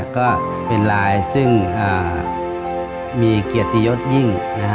ก็เป็นลายซึ่งมีเกียรติยศยิ่ง